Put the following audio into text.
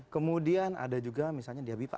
kemudian ada juga misalnya di habibie pak